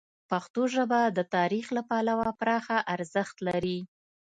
پښتو ژبه د تاریخ له پلوه پراخه ارزښت لري.